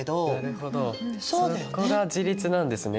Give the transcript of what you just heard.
なるほどそこが自立なんですね。